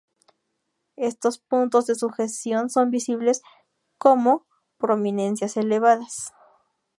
Estos puntos de sujeción son visibles como prominencias elevadas.